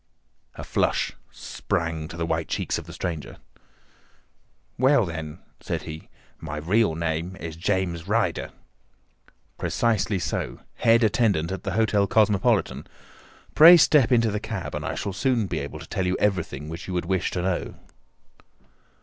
A flush sprang to the white cheeks of the stranger. "Well then," said he, "my real name is James Ryder." "Precisely so. Head attendant at the Hotel Cosmopolitan. Pray step into the cab, and I shall soon be able to tell you everything which you would wish to know."